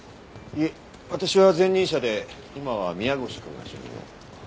いえ私は前任者で今は宮越くんが主任を。